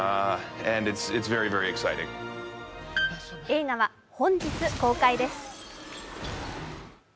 映画は本日公開です。